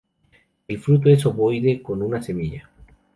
El fruto es ovoide, con una semilla.